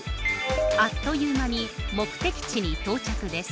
あっという間に目的地に到着です。